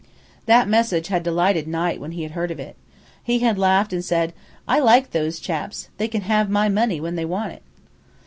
That message had delighted Knight when he heard of it. He had laughed and said, "I like those chaps! They can have my money when they want it!"